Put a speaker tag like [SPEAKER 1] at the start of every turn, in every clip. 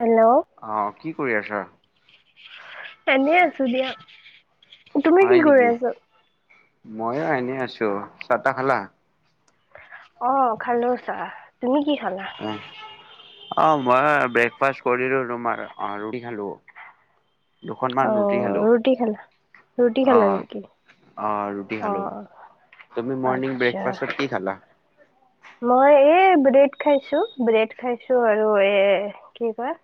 [SPEAKER 1] Hello.
[SPEAKER 2] অ কি কৰি আছা?
[SPEAKER 1] এনে আছো দিয়ক।
[SPEAKER 2] হয় নেকি মইয়ো এনেই আছো চাহ টা খালা।
[SPEAKER 1] অ', খালো চাহ তুমি কি খালা?
[SPEAKER 2] অ মই ব্ৰেকফাষ্ট কৰিলো তোমাৰ অ ৰুটি খালো।
[SPEAKER 1] অ
[SPEAKER 2] দুখনমান ৰুটি খালোঁ।
[SPEAKER 1] ৰুটি খালা ৰুটি খালা
[SPEAKER 2] অহ
[SPEAKER 1] নেকি
[SPEAKER 2] অহ ৰুটি
[SPEAKER 1] অ
[SPEAKER 2] খালো। তুমি মৰ্ণিং
[SPEAKER 1] আচ্ছা
[SPEAKER 2] ব্ৰেকফাষ্টত কি খালা?
[SPEAKER 1] মই এই ব্ৰেড খাইছো ব্ৰেড খাইছো আৰু এ কি কয়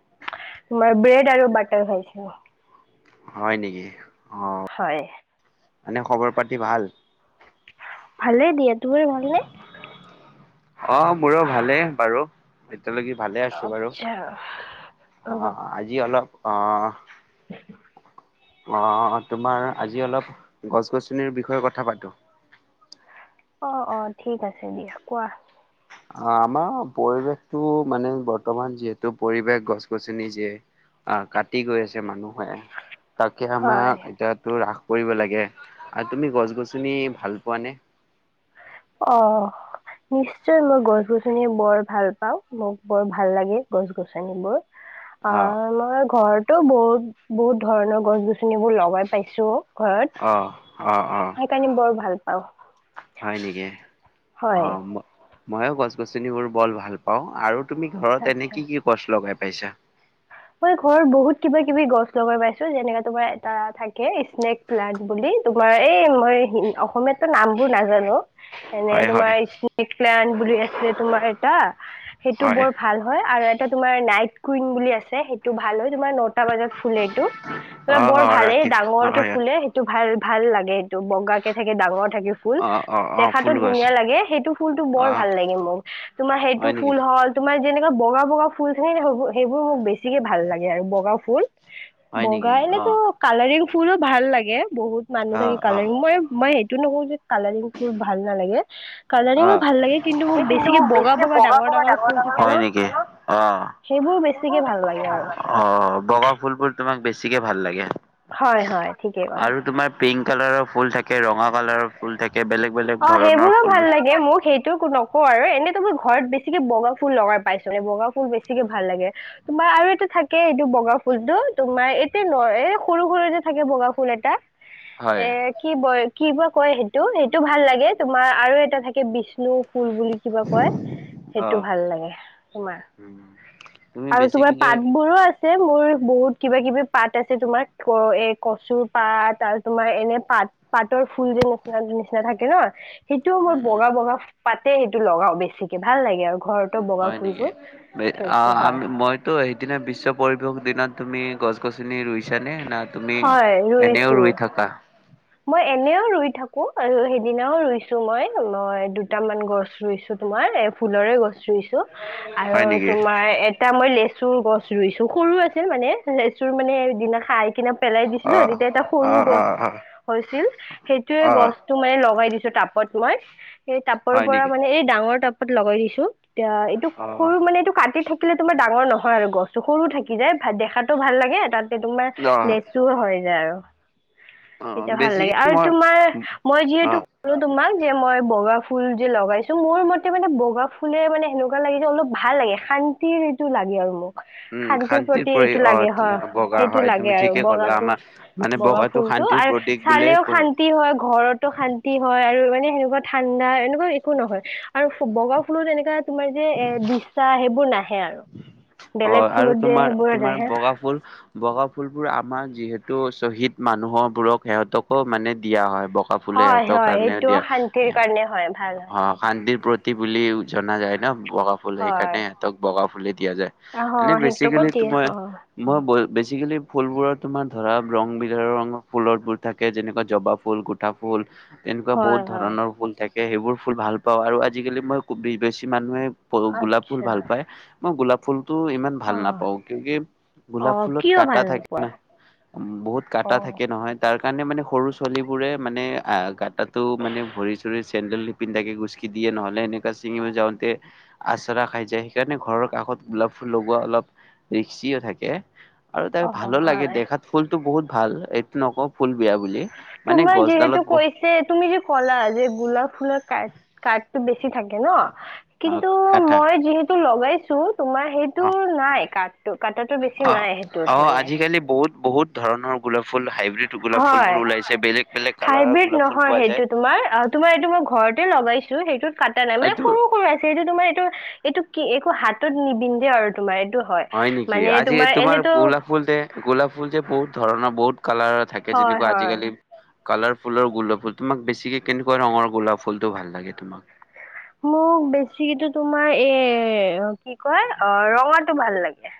[SPEAKER 1] মই ব্ৰেড আৰু বাটাৰ খাইছোঁ।
[SPEAKER 2] হয় নেকি অ'
[SPEAKER 1] হয়
[SPEAKER 2] মানে খবৰ পাতি ভাল।
[SPEAKER 1] ভালেই দিয়া তোমাৰ ভালনে।
[SPEAKER 2] অ', মোৰো ভালেই বাৰু। এতিয়ালৈকে ভালে আছো বাৰু
[SPEAKER 1] আচ্ছা উম
[SPEAKER 2] অ আজি অলপ অহ।
[SPEAKER 1] [unintelligible]
[SPEAKER 2] অহ তোমাৰ আজি অলপ গছ গছনিৰ বিষয়ে কথা পাতোঁ।
[SPEAKER 1] অ', অ' ঠিক আছে দিয়া কোৱা।
[SPEAKER 2] আমাৰ পৰিৱেশটো মানে বৰ্তমান যিহেতু পৰিৱেশ গছ গছনি যে আহ কাটি গৈ আছে মানুহে। তাকে
[SPEAKER 1] হয়
[SPEAKER 2] আমাক এতিয়া তোৰ ৰাস কৰিব লাগে আৰু তুমি গছ গছনি ভাল পোৱা নে।
[SPEAKER 1] অ'। নিশ্চয় মই গছ গছনিয বৰ ভাল পাও, মোক বৰ ভাল লাগে গছ গছনিবোৰ।
[SPEAKER 2] [inaudible]
[SPEAKER 1] অ', মই ঘৰ তো বহুত, বহুত ধৰণৰ গছ গছনিবোৰ লগাই পাইছো ঘৰত।
[SPEAKER 2] অ'। অ', অ',
[SPEAKER 1] সেইকাৰণে বৰ ভাল পাওঁ
[SPEAKER 2] হয় নেকি
[SPEAKER 1] হয়
[SPEAKER 2] অ'। মইও গছ গছনিবোৰ বৰ ভাল পাও আৰু তুমি ঘৰত এনে
[SPEAKER 1] আচ্ছা
[SPEAKER 2] কি কি গছ লগাই পাইছা?
[SPEAKER 1] মই ঘৰত বহুত কিবা কিবি গছ লগাই পাইছো যেনেকাে তোমাৰ এটা থাকে স্নেক প্লাণ্ট বুলি তোমাৰ এই মই অসমীয়াতো নাম বোৰ নাজানো। এনে
[SPEAKER 2] হয় হয়
[SPEAKER 1] তোমাৰ স্নেক প্লান বুলি আছে তোমাৰ এটা সেইটো
[SPEAKER 2] হয়
[SPEAKER 1] বৰ ভাল হয় আৰু তোমাৰ নাইট কুইন বুলি আছে সেইটো ভাল হয় তোমাৰ নৰ্ট [unintelligible] বজাত ফুলে এইটো ত
[SPEAKER 2] অ
[SPEAKER 1] বৰ
[SPEAKER 2] অ
[SPEAKER 1] ভালেই
[SPEAKER 2] ৰাতি
[SPEAKER 1] ডাঙৰকে
[SPEAKER 2] হয়
[SPEAKER 1] ফুল টো ভাল ভাল লাগে সেইটো বগা কে থাকে ডাঙৰ থাকে ফুল,
[SPEAKER 2] অ অ অ
[SPEAKER 1] দেখাতো
[SPEAKER 2] ফুল গছ
[SPEAKER 1] ধুনীয়া লাগে সেইটো ফুলটো
[SPEAKER 2] অ
[SPEAKER 1] ভাল লাগে মোক তোমাৰ সেইটো
[SPEAKER 2] হয় নেকি
[SPEAKER 1] ফুল হল তোমাৰ যেনেকা বগা বগা ফুল থাকে সেইবোৰ-সেইবোৰ মোক বেছিকে ভাল বগা ফুল
[SPEAKER 2] হয়
[SPEAKER 1] বগা
[SPEAKER 2] নেকি অ
[SPEAKER 1] এনেতো কালাৰিং ফুলো ভাল লাগে বহুত মানুহ
[SPEAKER 2] অ
[SPEAKER 1] থাকে
[SPEAKER 2] অ
[SPEAKER 1] কালাৰিং মই মই সেইটো নকও যে কালাৰিং ফুল ভাল নালাগে
[SPEAKER 2] অ
[SPEAKER 1] কালাৰিঙো ভাল লাগে কিন্তু মোক বেছিকে বগা বগা ডাঙৰ ডাঙৰ ফুল থাকে ন
[SPEAKER 2] অ
[SPEAKER 1] সেইবোৰ বেছিকে ভাল লাগে আৰু।
[SPEAKER 2] অ', বগা ফুলবোৰ তোমাক বেছিকে ভাল লাগে।
[SPEAKER 1] হয় হয়, ঠিকেই ক'লা।
[SPEAKER 2] আৰু তোমাৰ পিংক কালাৰৰ ফুল থাকে, ৰঙা কালাৰৰ ফুল থাকে বেলেগ বেলেগ
[SPEAKER 1] অ',
[SPEAKER 2] ধৰণৰ
[SPEAKER 1] সেইবোৰো ভাল
[SPEAKER 2] ফুলবোৰ
[SPEAKER 1] লাগে মোক সেই এইটো নকওঁ আৰু এনেতো মই ঘৰত বেছিকে বগা ফুল লগাই পাইছোঁ এ বগা ফুল বেছিকে ভাল লাগে। তোমাৰ আৰু এটা থাকে এইটো বগা ফুলটো তোমাৰ এতিয়া ন সৰু সৰুতে থাকে বগা ফুল এটা
[SPEAKER 2] হয়
[SPEAKER 1] এ কি ব, কি বা কয় সেইটো এইটো ভাল লাগে তোমাৰ আৰু এটা থাকে বিষ্ণু ফুল বুলি কিবা কয়,
[SPEAKER 2] অ
[SPEAKER 1] সেইটো ভাল লাগে তোমাৰ।
[SPEAKER 2] তুমি
[SPEAKER 1] আৰু তোমাৰ
[SPEAKER 2] বেছিকেলে
[SPEAKER 1] পাত বোৰো আছ [unintelligible] মোৰ বহুত কিবা কিবি পাত আছে তোমাৰ এ কচুৰ পাত আৰু তোমাৰ এনে পাত। পাতৰ ফুল যে নিচিনা [unintelligible] থাকে ন সেইটো মই
[SPEAKER 2] উম উম
[SPEAKER 1] বগা বগা পাতে সেইটো লগাও বেছিকে ভাল লাগে আৰু। ঘৰতো বগা
[SPEAKER 2] হয় নেকি
[SPEAKER 1] ফুলবোৰ থৈছো হয়
[SPEAKER 2] [unintelligible] মই। ত' সেইদিনা বিশ্ব-পৰিৱেশ দিনা তুমি গছ গছনি ৰুইছানে না তুমি
[SPEAKER 1] হয়
[SPEAKER 2] এনেও
[SPEAKER 1] ৰুইছো
[SPEAKER 2] ৰুই থাকা?
[SPEAKER 1] মই এনেও ৰুই থাকো আৰু সেইদিনাও ৰুইছো মই, মই দুটামান গছ ৰুইছো। তোমাৰ এ ফুলৰে গছ ৰুইছো আৰু
[SPEAKER 2] হয় নেকি
[SPEAKER 1] তোমাৰ এ এতিয়া মই লেচুৰ গছ ৰুইছো, সৰু আছে মানে লেচুৰ মানে সেইদিনা খাই কিনা পেলাই
[SPEAKER 2] অ
[SPEAKER 1] দিছিলো, তেতিয়া এটা
[SPEAKER 2] অ
[SPEAKER 1] সৰু
[SPEAKER 2] অ
[SPEAKER 1] গছ
[SPEAKER 2] অ
[SPEAKER 1] হৈছিল, সেইটোয়ে
[SPEAKER 2] অ
[SPEAKER 1] গছতটো মানে লগাই দিছো তাপত মই। টাপৰ
[SPEAKER 2] হয়
[SPEAKER 1] পৰা
[SPEAKER 2] নেকি
[SPEAKER 1] মানে এই ডাঙৰ টাপত লগাই দিছো এতিয়া এইটো
[SPEAKER 2] অ
[SPEAKER 1] সৰু মানে এইটো কাটি থাকি [unintelligible] তোমাৰ ডাঙৰ নহয় আৰু গছটো সৰু থাকি যায় দেখাটো ভাল লাগে তাতে তোমাৰ
[SPEAKER 2] অ',
[SPEAKER 1] নেক্স চোৰ হৈ যায় আৰু।
[SPEAKER 2] অ',
[SPEAKER 1] তেতিয়া ভাল
[SPEAKER 2] বেছি
[SPEAKER 1] লাগে আৰু
[SPEAKER 2] মই
[SPEAKER 1] তোমাৰ মই যিহেতু
[SPEAKER 2] অ',
[SPEAKER 1] তোমাক যে মই বগা ফুল যে লগাইছো মোৰ মতে মানে বগা ফুলে মানে এনেকোৱা লাগে যে অলপ ভাল লাগে শান্তিৰ এইটো লাগে আৰু মোক।
[SPEAKER 2] উম,
[SPEAKER 1] শান্তিৰ প্ৰতি
[SPEAKER 2] পৰি
[SPEAKER 1] এইটো
[SPEAKER 2] অ',
[SPEAKER 1] লাগে হয়,
[SPEAKER 2] বগা
[SPEAKER 1] সেইটো
[SPEAKER 2] হয় তুমি
[SPEAKER 1] লাগে আৰু
[SPEAKER 2] ঠিকে ক'লা
[SPEAKER 1] বগাটো।
[SPEAKER 2] আমাৰ মানে
[SPEAKER 1] বগা
[SPEAKER 2] বগাটো
[SPEAKER 1] ফুলতটো
[SPEAKER 2] শান্তিৰ
[SPEAKER 1] আৰু
[SPEAKER 2] প্ৰতীক বুলিয়ে
[SPEAKER 1] চালেও শান্তি। শান্তি হয়, ঘৰতো শান্তি হয় আৰু মানে সেনেকুৱা ঠাণ্ডা এনেকুৱা একো নহয় আৰু বগা ফুলত এনেকুৱা - তোমাৰ যে এ দিচা সেইবোৰ নাহে আৰু বেলেগ
[SPEAKER 2] আৰু
[SPEAKER 1] ফুলত যে
[SPEAKER 2] তোমাৰ
[SPEAKER 1] সেইবোৰ
[SPEAKER 2] তোমাৰ
[SPEAKER 1] নাহে।
[SPEAKER 2] বগা ফুল। বগা ফুলবোৰ আমাৰ যিহেতু শ্বহীদ মানুহ বোৰক সিহঁতকো মানে দিয়া হয়। ফুলে
[SPEAKER 1] হয়
[SPEAKER 2] সিহঁতৰ
[SPEAKER 1] হয়
[SPEAKER 2] কাৰণে
[SPEAKER 1] সেইটোও
[SPEAKER 2] দিয়ে
[SPEAKER 1] শান্তিৰ কাৰণে হয় ভাল হয়
[SPEAKER 2] অঁ। শান্তিৰ প্ৰতিক বুলি জনা যায় ন বগা ফুল,
[SPEAKER 1] হয়
[SPEAKER 2] সেইকাৰণে সিহঁতক বগা ফুলে দিয়া যায়।
[SPEAKER 1] অ
[SPEAKER 2] এনে
[SPEAKER 1] সেইটোকো
[SPEAKER 2] বেচিকেলি টো
[SPEAKER 1] দিয়ে
[SPEAKER 2] মই
[SPEAKER 1] অ
[SPEAKER 2] - মই বেচিকেলি ফুলবোৰত তোমাৰ ধৰা ৰং বিলাকৰ ফুলবোৰ ৰ থাকে যেনেকুৱা জৱাব ফুল, - [unintelligible] ফুল এনেকুৱা
[SPEAKER 1] হয়
[SPEAKER 2] বহুত
[SPEAKER 1] হয়
[SPEAKER 2] ধৰণৰ ফুল থাকে। সেইবোৰ ফুল ভাল পাওঁ আৰু আজিকালি মই বেছি মানুহে গোলাপ
[SPEAKER 1] আচ্ছা
[SPEAKER 2] ফুল ভাল পায়। মই গোলাপ ফুলতটো ইমান
[SPEAKER 1] অ
[SPEAKER 2] ভাল নাপাও, কিউকি
[SPEAKER 1] অ
[SPEAKER 2] গোলাপ ফুলত
[SPEAKER 1] কিয়
[SPEAKER 2] কাটা
[SPEAKER 1] ভাল
[SPEAKER 2] থাকে
[SPEAKER 1] নোপোৱা
[SPEAKER 2] না। উম, বহুত
[SPEAKER 1] অ
[SPEAKER 2] কাটা থাকে নহয়। তাৰ কাৰণে মানে সৰু ছোৱালীবোৰে মানে কাটাটো মানে ভৰি চৰি- চেণ্ডেল নিপিন্ধাকে গচকি দিয়ে, নহলে এনেকা চিঙি যাওঁতে আচৰা খাই যায়। সেইকাৰণে ঘৰৰ কাষত গোলাপ ফুল লগোৱা অলপ ৰিক্সিও থাকে। আৰু
[SPEAKER 1] অ
[SPEAKER 2] তাক ভালো লাগে
[SPEAKER 1] হয়
[SPEAKER 2] দেখাত ফুলতটো বহুত ভাল, এইটো নকওঁ ফুল বেয়া বুলি। মানে
[SPEAKER 1] তোমাৰ
[SPEAKER 2] গছডালত
[SPEAKER 1] যিহেতু
[SPEAKER 2] ব
[SPEAKER 1] কৰি- যে তুমি যে ক'লা যে গোলাপ ফুলৰ কাইট কাইটটো বেছি থাকে ন। কিন্তু
[SPEAKER 2] কাটা
[SPEAKER 1] মই যিহেতু লগাইছো তোমাৰ-
[SPEAKER 2] অ
[SPEAKER 1] সেইটোৰ নাই, কাটাতো
[SPEAKER 2] অ
[SPEAKER 1] বেছি নাই
[SPEAKER 2] অ
[SPEAKER 1] সেইটোত মানে।
[SPEAKER 2] আজিকালি বহুত বহুত- ধৰণৰ গোলাপ ফুল হাইব্ৰীড গোলাপ
[SPEAKER 1] হয়
[SPEAKER 2] ফুলবোৰ ওলাইছে, বেলেগ বেলেগ কালাৰৰ
[SPEAKER 1] হাইব্ৰীড
[SPEAKER 2] গোলাপ ফুল
[SPEAKER 1] নহয়
[SPEAKER 2] পোৱা যায়।
[SPEAKER 1] সেইটো তোমাৰ অঁ, তোমাৰ এইটো মই ঘৰতে লগাইছো। সেইটোত কাটা নাই মানে
[SPEAKER 2] এইটো
[SPEAKER 1] সৰু সৰু আছে, সেইটো তোমাৰ এইটো- এইটো কি, একো হাতত নিবিন্ধে আৰু তোমাৰ এইটো হয়
[SPEAKER 2] নেকি
[SPEAKER 1] মানে
[SPEAKER 2] আজি
[SPEAKER 1] তোমাৰ এনেটো-
[SPEAKER 2] গোলাপ ফুল যে গোলাপ ফুল যে বহুত ধৰণৰ, বহুত কালাৰৰ থাকে।
[SPEAKER 1] হয়
[SPEAKER 2] যেনেকুৱা
[SPEAKER 1] হয়
[SPEAKER 2] আজিকালি- কালাৰ ফুলৰ গোলাপ ফুল। তোমাক বেছিকে কেনেকুৱা ৰঙৰ গোলাপ ফুলটো ভাল লাগে তোমাক?
[SPEAKER 1] মোক বেছিকো তোমাৰ এ কি কয় অঁ ৰঙাটো ভাল লাগে।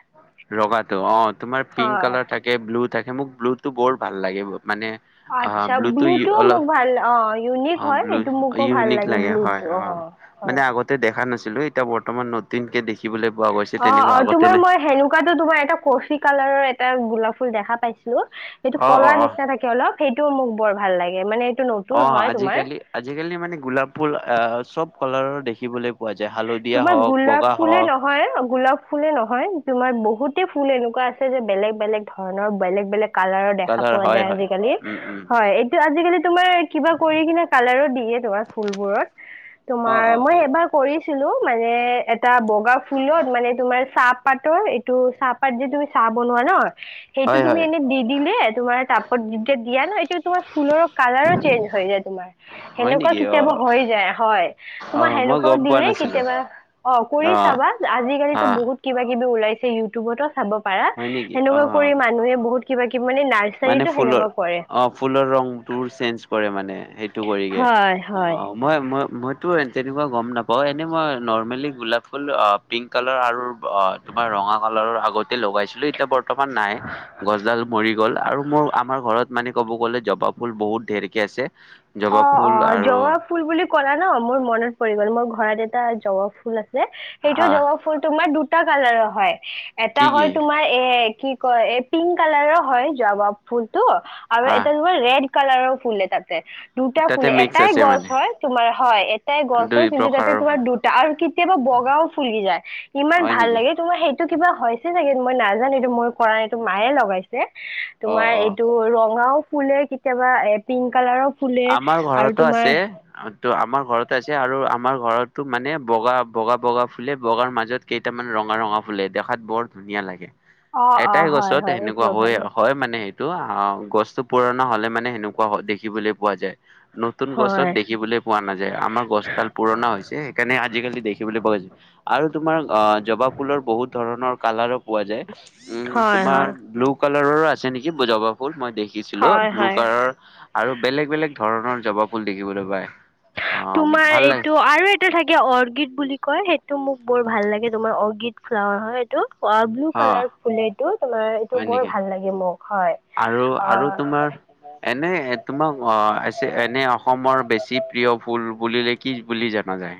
[SPEAKER 2] ৰঙাটো অঁ, তোমাৰ পিংক
[SPEAKER 1] হয়
[SPEAKER 2] কালাৰ থাকে, ব্লু থাকে, মোক ব্লু টো বৰ ভাল লাগে মানে- অঁ,
[SPEAKER 1] আচ্ছা
[SPEAKER 2] ব্লুটো ই
[SPEAKER 1] মোক
[SPEAKER 2] অলপ
[SPEAKER 1] ভাল অ ইউনিক
[SPEAKER 2] অঁ
[SPEAKER 1] হয়
[SPEAKER 2] ব্লু
[SPEAKER 1] সেইটো মোকো ভাল
[SPEAKER 2] ইউনিক লাগে
[SPEAKER 1] ব্লুটো
[SPEAKER 2] হয়,
[SPEAKER 1] অ
[SPEAKER 2] অঁ।
[SPEAKER 1] হয়
[SPEAKER 2] মানে আগতে দেখা নাছিলো, এতিয়া বৰ্তমান নতুনকে দেখিবলৈ পোৱা গৈছে, তেনেকুৱা আগতে নাই।
[SPEAKER 1] [unintelligible] কা তোমাৰ এটা কফি কালাৰৰ এটা গোলাপ ফুল দেখা পাইছিলো। সেইটো
[SPEAKER 2] অ অ
[SPEAKER 1] কলাৰ
[SPEAKER 2] অ
[SPEAKER 1] নিচিনা থাকে। অলপ সেইটোও মোক বৰ ভাল লাগে মানে এইটো নতুন-
[SPEAKER 2] অঁ,
[SPEAKER 1] হয় তোমাৰ
[SPEAKER 2] আজিকালি আজিকালি মানে গোলাপ ফুল আহ চব কালাৰৰ দেখিবলৈ পোৱা যায়। হালধি, -
[SPEAKER 1] তোমাৰ গোলাপ ফুলে ন- হয় গোলাপ ফুলে নহয়, তোমাৰ বহুতে ফুল এনেকুৱা আছে যে বেলেগ বেলেগ ধৰণৰ বেলেগ বেলেগ- কালাৰৰ দেখা
[SPEAKER 2] কালাৰ
[SPEAKER 1] পোৱা
[SPEAKER 2] হয়
[SPEAKER 1] যায়
[SPEAKER 2] হয়
[SPEAKER 1] আজিকালি।
[SPEAKER 2] উম উম
[SPEAKER 1] হয়, এইটো আজিকালি তোমাৰ- কিবা কৰি কিনে কালাৰো দিয়ে তোমাৰ ফুলবোৰত।
[SPEAKER 2] অ
[SPEAKER 1] তোমাৰ
[SPEAKER 2] অ
[SPEAKER 1] মই
[SPEAKER 2] এই
[SPEAKER 1] এবাৰ কৰি- ছিলো মানে এটা বগা ফুলত মানে তোমাৰ চাহপাতৰ এইটো চাহ- পাত যে তুমি চাহ বনোৱা ন- সেইটো
[SPEAKER 2] হয়
[SPEAKER 1] তুমি
[SPEAKER 2] হয়
[SPEAKER 1] এনে দি দিলে, তোমাৰ তাপত যেতিয়া দিয়া ন এইটো তোমাৰ ফুলৰ- কালাৰো চেইঞ্জ হৈ যায় তোমাৰ।
[SPEAKER 2] হয়
[SPEAKER 1] সেনেকুৱা
[SPEAKER 2] নেকি অ
[SPEAKER 1] কেতিয়াবা হৈ যায়। হয়,
[SPEAKER 2] অ
[SPEAKER 1] তোমাৰ
[SPEAKER 2] মই
[SPEAKER 1] সেনেকুৱাও
[SPEAKER 2] গম পোৱা
[SPEAKER 1] দিলে-
[SPEAKER 2] নাছিলো
[SPEAKER 1] কেতিয়াবা অঁ
[SPEAKER 2] অ
[SPEAKER 1] কৰি চাবা আজিকালিতো
[SPEAKER 2] অ
[SPEAKER 1] বহুত কিবা কিবি ওলাইছে ইউটিউবতো চাব। পাৰা,
[SPEAKER 2] হয় নেকি
[SPEAKER 1] কেনেকুৱা
[SPEAKER 2] অ
[SPEAKER 1] কৰি মানুহে বহুত কিবা কিবি মানে না
[SPEAKER 2] মানে ফুলৰ অ ফুলৰ ৰংটোৰ চেঞ্জ কৰে মানে সেইটো কৰিগে
[SPEAKER 1] হয় হয়
[SPEAKER 2] অঁ। মই মই ত তেনেকুৱা গম নাপাওঁ এনে মই নৰ্মেলি গোলাপ ফুল অঁ পিংক কালাৰ আৰু অঁ তোমাৰ ৰঙা কালাৰৰ আগতে লগাইছিলো এতিয়া ব ৰ্তমান নাই গছডাল মৰিল। আৰু মোৰ আমাৰ ঘৰত মানে ক'ব গ'লে জবা ফুল বহুত ধেৰকে আছে। জবা
[SPEAKER 1] অঁ
[SPEAKER 2] ফুল
[SPEAKER 1] অঁ
[SPEAKER 2] আৰু
[SPEAKER 1] জোৱা ফুল বুলি ক'লা ন মোৰ মনত পৰি গ'ল, মোৰ ঘৰত এটা জবা ফুল আছে সেইটো
[SPEAKER 2] আহ
[SPEAKER 1] জবা ফুল ফুল তোমাৰ দুটা কালাৰৰ হয়। এটা
[SPEAKER 2] কি
[SPEAKER 1] হয়
[SPEAKER 2] কি
[SPEAKER 1] তোমাৰ এ কি কয় এই পিংক কালাৰৰ হয়, জাৱাব ফুলতটো আৰু
[SPEAKER 2] আহ
[SPEAKER 1] এটা ৰেড কালাৰও ফুলে তাতে। দুটা
[SPEAKER 2] তাতে
[SPEAKER 1] ফুলে
[SPEAKER 2] মিক্স
[SPEAKER 1] এটাই
[SPEAKER 2] আছে
[SPEAKER 1] গছ
[SPEAKER 2] মানে
[SPEAKER 1] হয়, তোমাৰ হয় এটাই গছ
[SPEAKER 2] দুই
[SPEAKER 1] হয় কিন্তু তাতে
[SPEAKER 2] প্ৰকাৰৰ
[SPEAKER 1] তোমাৰ দু আৰু কেতিয়াবা বগাও ফুলি যায়, ইমান
[SPEAKER 2] হয়
[SPEAKER 1] ভাল
[SPEAKER 2] নেকি
[SPEAKER 1] লাগে তোমাৰ সেই টো কিবা হৈছে চাগে মই নাজানো এইটো মোৰ কৰা নাই এইটো মায়ে লগাইছে।
[SPEAKER 2] অ
[SPEAKER 1] তোমাৰ
[SPEAKER 2] অ
[SPEAKER 1] এইটো ৰঙাও ফুলে, কেতিয়াবা এ পিংক কালাৰৰ ফুলে
[SPEAKER 2] আমাৰ
[SPEAKER 1] আৰু
[SPEAKER 2] ঘৰতো আছে
[SPEAKER 1] তোমাৰ
[SPEAKER 2] ত আমাৰ ঘৰত আছে, আৰু আমাৰ ঘৰতো মানে বগা বগা বগা ফুলে বগাৰ মাজত কেইটামান ৰঙা ৰঙা ফুলে দেখাত বৰ ধুনীয়া লাগে।
[SPEAKER 1] অ',
[SPEAKER 2] এটাই
[SPEAKER 1] অ', হয়,
[SPEAKER 2] গছত
[SPEAKER 1] হয়,
[SPEAKER 2] সেনেকুৱা
[SPEAKER 1] এইটোও ভাল
[SPEAKER 2] হয়,
[SPEAKER 1] লাগে।
[SPEAKER 2] হয় মানে সেই টো অঁ গছটো পুৰণা হলে মানে সেনেকুৱা দেখিবলৈ পোৱা যায়। নতুন গছত
[SPEAKER 1] হয়,
[SPEAKER 2] দেখিবলৈ পোৱা নাযায়। আমাৰ গছডাল পুৰণা হৈছে সেইকাৰণে আজিকালি দেখিবলৈ পোৱা গৈছে। আৰু তোমাৰ আঁহ জবাব ফুলৰ বহুত ধৰণৰ কালাৰো পোৱা যায়। উম
[SPEAKER 1] হয়,
[SPEAKER 2] তোমাৰ
[SPEAKER 1] হয়,
[SPEAKER 2] ব্লু কালাৰৰো আছে নেকি, জবা ফুল মই দেখিছিলো,
[SPEAKER 1] হয়,
[SPEAKER 2] ব্লু
[SPEAKER 1] হয়।
[SPEAKER 2] কালাৰৰ আৰু বেলেগ বেলেগ ধৰণৰ জবা ফুল দেখিবলৈ পায় অঁ
[SPEAKER 1] তোমাৰ
[SPEAKER 2] ভাল
[SPEAKER 1] এইটো
[SPEAKER 2] লাগে।
[SPEAKER 1] আৰু থাকে অৰ্কিড বুলি কয় সেইটো মোক বৰ ভাল লাগে তোমাৰ অৰ্কিড ফ্লাৱাৰ হয় এ ইটো ব্লু
[SPEAKER 2] অ
[SPEAKER 1] কালাৰ ফুলে এই, তোমাৰ এইটো
[SPEAKER 2] হয়
[SPEAKER 1] বৰ
[SPEAKER 2] নেকি
[SPEAKER 1] ভাল লাগে মোক হয়।
[SPEAKER 2] আৰু আৰু
[SPEAKER 1] অ',
[SPEAKER 2] তোমাৰ এনেই তোমাক অঁ এছে এনেই অসমৰ বেছি প্ৰিয় ফুল বুলিলে কি বুলি জানা যায়।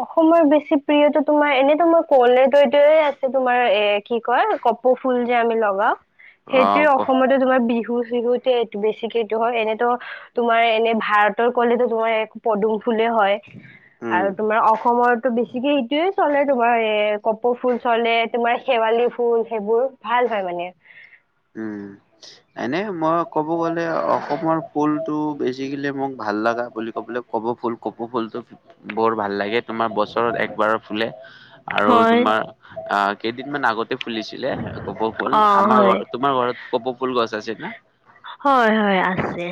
[SPEAKER 1] অসমৰ বেছি প্ৰিয়টো তোমাৰ এনেতো মোৰ কলেদৈয়ে আছে, তোমাৰ এ কি কয় এ কপৌ ফুল যে আমি লগাওঁ।
[SPEAKER 2] আহ
[SPEAKER 1] সেইটোৱে
[SPEAKER 2] ক
[SPEAKER 1] অসমতে তোমাৰ বিহু চিহুতে বেছিকে এইটো হয়, এনেতো তোমাৰ এনে ভাৰতৰ কলিতো মই এক পদুম ফুলে হয়,
[SPEAKER 2] উম
[SPEAKER 1] আৰু তোমাৰ অসমৰটো বেছিকে সেইটোৱে চলে তোমাৰ, এ কপৌ ফুল চলে, তোমাৰ শেৱালি ফুল সেইবোৰ ভাল হয় মানে।
[SPEAKER 2] উম। এনে মই ক'ব গ'লে, অসমৰ ফুলটো বেছিকেলি মোক ভাল লগা বুলি ক'বলৈ কপৌ ফুল, কপৌ ফুলটো বৰ ভাল লাগে, তোমাৰ বছৰত একবাৰ ফুলে। আৰু
[SPEAKER 1] হয়
[SPEAKER 2] তোমাৰ অঁ, কেইদিনমান আগতে ফুলিছিলে কপৌ ফুল
[SPEAKER 1] অ
[SPEAKER 2] আমাৰ
[SPEAKER 1] হয়
[SPEAKER 2] ঘৰত। তোমাৰ ঘৰত কপৌ ফুল গছ আছে না?
[SPEAKER 1] হয় হয় আছে।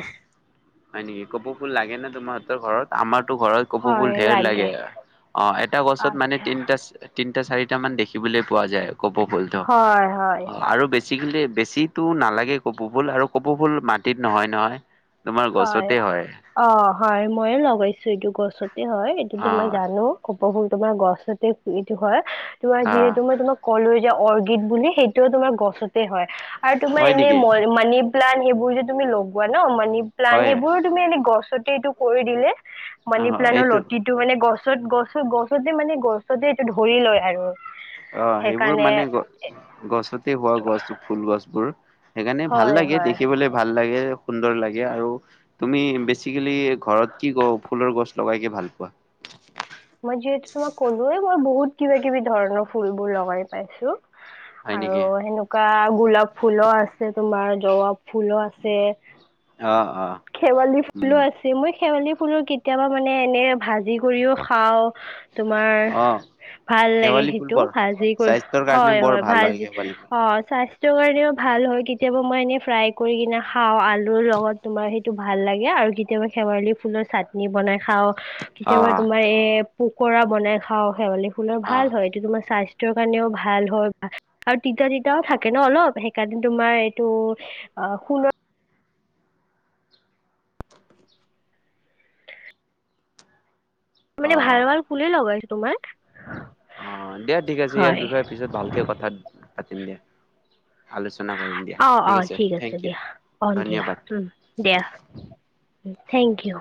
[SPEAKER 2] হয় নেকি, কপৌ ফুল লাগে না তোমাৰহঁতৰ ঘৰত, আমাৰতো ঘৰত কপৌ ফুল ঢেৰ লাগে, অঁ এটা গছত মানে
[SPEAKER 1] আচ্ছা
[SPEAKER 2] তিনিটা তিনটা চাৰিটা মান দেখিবলৈ পোৱা যায়, কপৌ ফুলটো
[SPEAKER 1] হয় হয়
[SPEAKER 2] অঁ
[SPEAKER 1] হয়
[SPEAKER 2] আৰু বেছি বেছিকেলি বেছিটো নালাগে কপৌ ফুল আৰু কপৌ ফুল মাটিত নহয় নহয়। তোমাৰ গছতে হয়।
[SPEAKER 1] অ', হয়, মইয়ে লগাইছো এইটো গছতে হয়
[SPEAKER 2] অ
[SPEAKER 1] এইটোতো মই জানো। কপৌ ফুলটো তোমাৰ গছতে এইটো হয়, তোমাৰ
[SPEAKER 2] অ
[SPEAKER 1] যিহেতু মই তোমাক কলো যে অৰ্কিড বুলি সেইটোও তোমাৰ গছতে হয়। আৰু তোমাৰ
[SPEAKER 2] হয়
[SPEAKER 1] এনেই
[SPEAKER 2] নেকি
[SPEAKER 1] মই মানে প্লান সেইবোৰ যে, তুমি লগোৱা ন মানি প্লান
[SPEAKER 2] হয়
[SPEAKER 1] সেইবোৰো তুমি এনে গছতে এইটো কৰি দিলে মনি প্লানৰ ল'টিত এইটো মানে গছত, গছ, গছতে মানে গছতে এইটো ধৰি লয় আৰু
[SPEAKER 2] অ', সেইবোৰ
[SPEAKER 1] সেইকাৰণে
[SPEAKER 2] মানে গছ গছতে হোৱা গছ ফুল গছবোৰ। সেইকাৰণে ভাল
[SPEAKER 1] হয়
[SPEAKER 2] লাগে,
[SPEAKER 1] হয়
[SPEAKER 2] দেখিবলে ভাল লাগে সুন্দৰ লাগে আৰু। তুমি বেছিকেলি ঘৰত কি গ ফুলৰ গছ লগাইকে ভাল পোৱা?
[SPEAKER 1] মই যিহেতু তোমাক ক'লোৱে মই বহুত কিবা-কিবি ধৰণৰ ফুলবোৰ লগাই পাইছো।
[SPEAKER 2] হয়
[SPEAKER 1] আৰু
[SPEAKER 2] নেকি
[SPEAKER 1] সেনুকা গোলাপ ফুলো আছে তোমাৰ জবাব ফুলো আছে
[SPEAKER 2] অ অ
[SPEAKER 1] শেৱালি
[SPEAKER 2] উম
[SPEAKER 1] ফুলো আছে মই শেৱালি ফুলৰ কেতিয়াবা মানে এনে ভাজি কৰিও খাও তোমাৰ
[SPEAKER 2] অ
[SPEAKER 1] ভাল লাগে
[SPEAKER 2] শেৱালি ফুল
[SPEAKER 1] সেইটো
[SPEAKER 2] বৰ
[SPEAKER 1] ভাজি কৰি
[SPEAKER 2] স্বাস্থ্যৰ কাৰণে
[SPEAKER 1] হয়,
[SPEAKER 2] বৰ
[SPEAKER 1] হয়
[SPEAKER 2] ভাল
[SPEAKER 1] ভাজি
[SPEAKER 2] শেৱালি ফুল
[SPEAKER 1] অ', স্বাস্ স্বাস্থ্য কাৰণেও ভাল হয়, কেতিয়াবা মই এনেই ফ্ৰাই কৰি কিনে খাওঁ আলুৰ লগত তোমাৰ সেট টো ভাল লাগে, আৰু কেতিয়াবা শেৱালি ফুলৰ চাটনি বনাই খাও।
[SPEAKER 2] অ
[SPEAKER 1] কেতিয়াবা তোমাৰ এ পকৰা বনাই খাও শেৱালি ফুলৰ
[SPEAKER 2] অ
[SPEAKER 1] ভাল হয়। এইটো তোমাৰ স্বাস্ স্থ্য কাৰণেও ভাল হয় আৰু তিতা তিতাও থাকে ন অলপ সেইকাৰণে তোমাৰ এইটো অ', শুন
[SPEAKER 2] অ
[SPEAKER 1] মানে ভাল ভাল ফুলে লগাইছো তোমাৰ।
[SPEAKER 2] অ', দিয়া ঠিক আছে, ইয়াৰ
[SPEAKER 1] হয়।
[SPEAKER 2] বিষয়ে পিছত ভালকে কথা পাতিম দিয়া। আলোচনা কৰিম দিয়া
[SPEAKER 1] অ
[SPEAKER 2] ঠিক
[SPEAKER 1] অ
[SPEAKER 2] আছে থেংক ইউ
[SPEAKER 1] দিয়া অ দিয়া
[SPEAKER 2] ধন্যবাদ।
[SPEAKER 1] উম দিয়া থেংক ইউ।